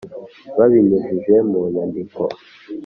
babinyujije mu nyandiko